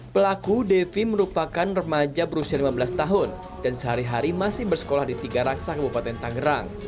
pelaku devi merupakan remaja berusia lima belas tahun dan sehari hari masih bersekolah di tiga raksa kabupaten tangerang